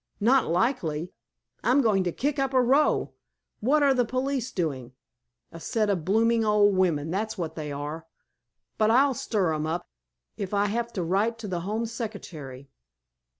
Not likely. I'm going to kick up a row. What are the police doing? A set of blooming old women, that's what they are. But I'll stir 'em up, if I have to write to the Home Secretary."